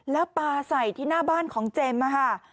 แล้วปลาใส่ที่หน้าบ้านของเจมส์ค่ะ